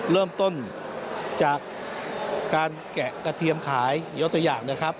เริ่มต้นจากการแกะกระเทียมขายยกตัวอย่างนะครับ